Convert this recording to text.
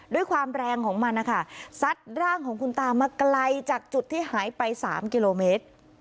ด้วยความแรงของมันนะคะซัดร่างของคุณตามาไกลจากจุดที่หายไป๓กิโลเมตร